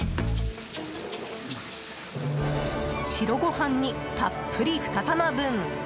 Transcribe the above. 白ご飯にたっぷり２玉分。